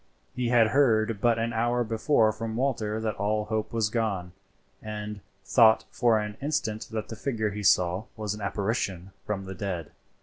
He had heard but an hour before from Walter that all hope was gone, and thought for an instant that the figure he saw was an apparition from the dead.